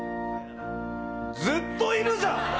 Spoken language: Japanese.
ずっといるじゃん！